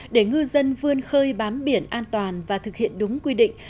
để ngư dân vươn khơi bám biển an toàn và thực hiện đúng quy định